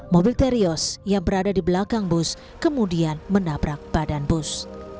mobil terios yang berada di belakang bus kemudian menabrak badan bus